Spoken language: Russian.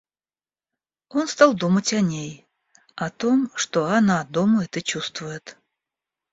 Он стал думать о ней, о том, что она думает и чувствует.